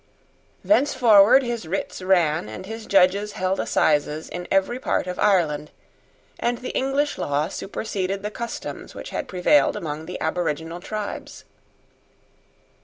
Thenceforward his writs ran and his judges held assizes in every part of Ireland; and the English law superseded the customs which had prevailed among the aboriginal tribes.